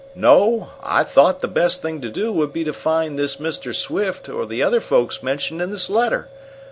"No. I thought the best thing to do would be to find this Mr. Swift, or the other folks mentioned in this letter.